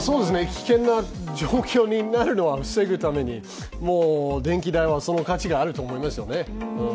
危険な状況になるのを防ぐために電気代はその価値があると思いますよね。